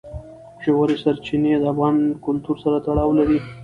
ژورې سرچینې د افغان کلتور سره تړاو لري.